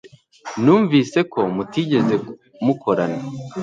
Numvise ko mutigeze mukorana